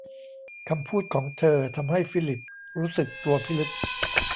คำพูดของเธอ ทำให้ฟิลิปรู้สึกกลัวพิลึก